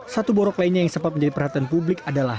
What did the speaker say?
satu borok lainnya yang sempat menjadi perhatian publik adalah